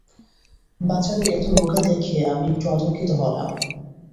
বাচ্চাদের এত রোগা দেখে আমি একটু আতঙ্কিত হলাম।